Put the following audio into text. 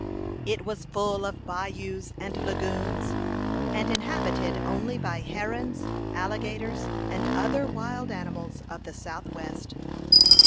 It was full of bayous and lagoons, and inhabited only by herons, alligators, and other wild animals of the south west.